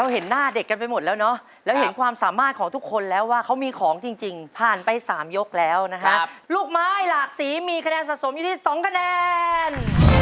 เห็นหน้าเด็กกันไปหมดแล้วเนอะแล้วเห็นความสามารถของทุกคนแล้วว่าเขามีของจริงผ่านไป๓ยกแล้วนะฮะลูกไม้หลากสีมีคะแนนสะสมอยู่ที่๒คะแนน